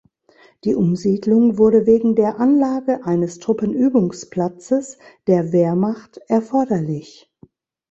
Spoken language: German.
Die Umsiedlung wurde wegen der Anlage eines Truppenübungsplatzes der Wehrmacht erforderlich.